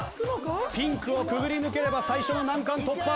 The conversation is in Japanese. ピンクをくぐり抜ければ最初の難関突破。